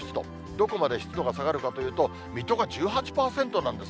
どこまで湿度が下がるかというと、水戸が１８％なんです。